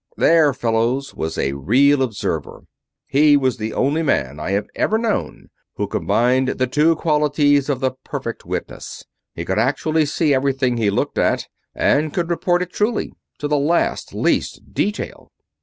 There, fellows, was a real observer. He was the only man I have ever known who combined the two qualities of the perfect witness. He could actually see everything he looked at, and could report it truly, to the last, least detail.